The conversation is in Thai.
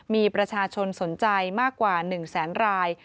มีประชาชนสนใจมากกว่า๑แสนราย